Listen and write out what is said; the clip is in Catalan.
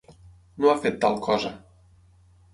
No ha fet tal cosa.